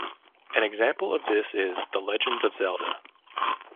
An example of this is "The Legend of Zelda".